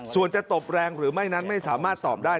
ส่วนจะตบแรงหรือไม่นั้นไม่สามารถตอบได้